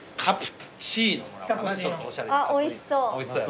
おいしそう。